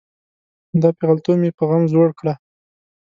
دا پیغلتوب مې په غم زوړ کړه.